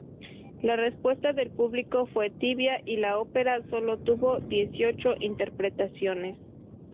La respuesta del público fue tibia y la ópera sólo tuvo dieciocho interpretaciones.